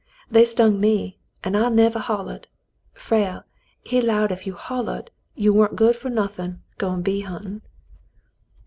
They stung me, an' I nevah hollered. Frale, he 'lowed ef you hollered, you wa'n't good fer nothin', goin' bee hunt'n'.'